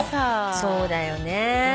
そうだよね。